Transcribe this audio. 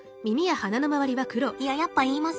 いややっぱ言います。